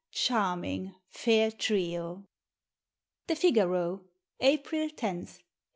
Charming fair trio. The Figaro, April 10, 1876.